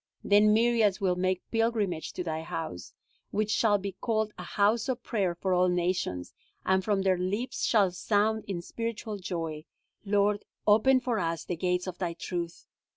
Then myriads will make pilgrimage to Thy house, which shall be called a house of prayer for all nations, and from their lips shall sound in spiritual joy: Lord, open for us the gates of thy truth.